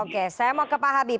oke saya mau ke pak habib